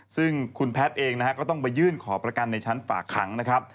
ซึ่งคุณแพทย์เองนะฮะก็ต้องไปยื่นขอประกันในชั้นฝากขังนะครับ